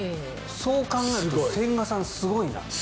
そう考えると千賀さん、すごいなと。